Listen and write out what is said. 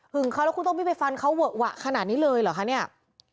เขาแล้วคุณต้องวิ่งไปฟันเขาเวอะหวะขนาดนี้เลยเหรอคะเนี่ย